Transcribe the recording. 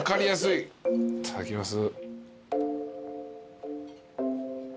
いただきます。